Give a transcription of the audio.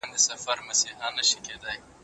د روسیې دربار یو ارمني سفیر اصفهان ته واستاوه.